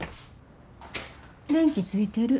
電気ついてる。